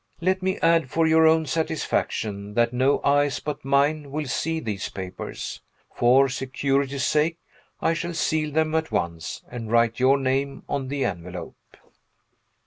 Let me add, for your own satisfaction, that no eyes but mine will see these papers. For security's sake, I shall seal them at once, and write your name on the envelope.